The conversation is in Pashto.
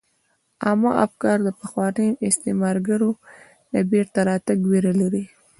عامه افکار د پخوانیو استعمارګرو د بیرته راتګ ویره لري